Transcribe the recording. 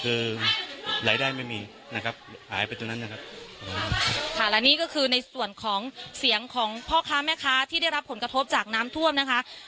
คือรายได้ไม่มีนะครับหายไปตรงนั้นนะครับค่ะและนี่ก็คือในส่วนของเสียงของพ่อค้าแม่ค้าที่ได้รับผลกระทบจากน้ำท่วมนะคะ